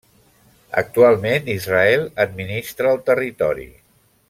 Actualment Israel administra el territori.